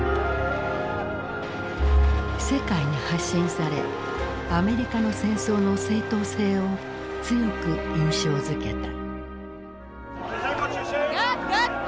世界に発信されアメリカの戦争の正当性を強く印象づけた。